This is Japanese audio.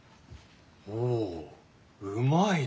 ほううまいな。